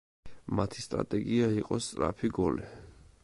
მათი სტრატეგია იყო სწრაფი გოლი.